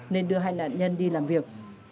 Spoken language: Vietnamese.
nên đưa hai nạn nhân đi làm việc